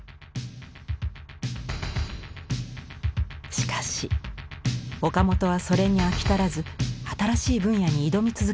しかし岡本はそれに飽き足らず新しい分野に挑み続けます。